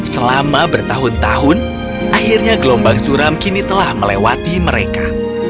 selama bertahun tahun akhirnya gelombang suram kini telah melewati mereka